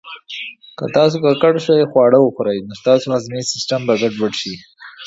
که تاسو ککړ شوي خواړه وخورئ، نو ستاسو هضمي سیسټم به ګډوډ شي.